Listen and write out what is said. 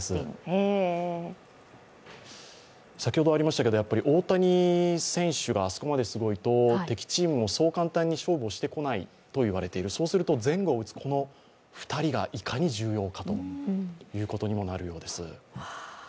先ほどありましたけれども、大谷選手があそこまですごいと敵チームもそう簡単に勝負をしてこないと言われてるそうなると、前後を打つこの２人がいかに重要かということにもなるようです。